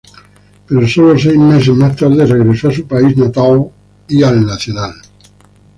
Pero solo seis meses más tarde regresó a su país natal y a Nacional.